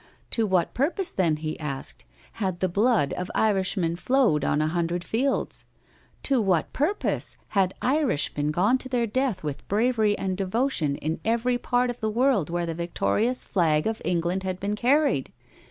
To what purpose, then, he asked, had the blood of Irishmen flowed on a hundred fields? To what purpose had Irishmen gone to their death with bravery and devotion in every part of the world where the victorious flag of England had been carried?